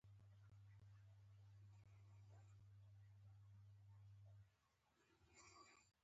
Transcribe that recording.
هغه دې د شاه عالم حرکات له نیژدې وڅاري.